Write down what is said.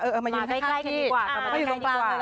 เออเออมายืนข้างที่ก็อยู่ตรงกลาง